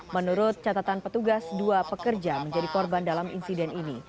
menurut catatan petugas dua pekerja menjadi korban dalam insiden ini